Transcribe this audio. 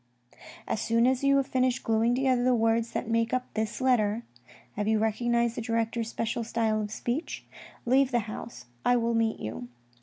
" As soon as you have finished glueing together the words that make up this letter (have you recognised the director's special style of speech) leave the house, I will meet you.